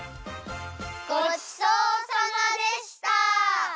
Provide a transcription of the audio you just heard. ごちそうさまでした！